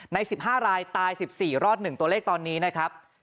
ในสิบห้ารายตายสิบสี่รอดหนึ่งตัวเลขตอนนี้นะครับ